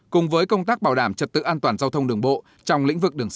cùng với công tác bảo đảm trật tự an toàn giao thông đường bộ trong lĩnh vực đường sắt